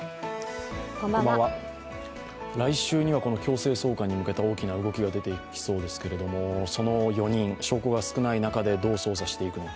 来週にはこの強制送還に向けた大きな動きが出てきそうですけどもその４人、証拠が少ない中でどう捜査していくのか